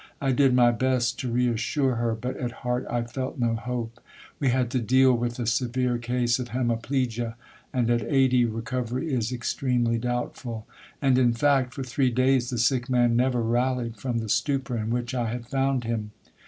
I did my best to reassure her, but at heart I felt no hope. We had to deal with a severe case of hemiplegia, and at eighty recovery is extremely doubtful. And, in fact, for three days the sick man never rallied from the stupor in which I had found him.